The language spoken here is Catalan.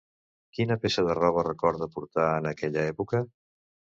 Quina peça de roba recorda portar en aquella època?